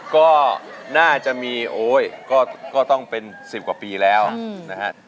ก็น่าจะมีโอ๊ยก็ต้องเป็น๑๐กว่าปีแล้วนะฮะ